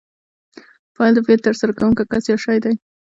فاعل د فعل ترسره کوونکی کس یا شی دئ.